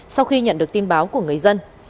sau khi nhận được tin báo của người dân